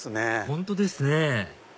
本当ですね